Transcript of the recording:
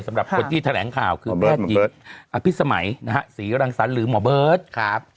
สำหรับคนที่แถลงข่าวคือแพทยีอภิษภัยศรีรังสันหรือหมอเบิร์ตครับ